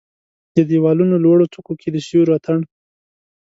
د د یوالونو لوړو څوکو کې د سیورو اټن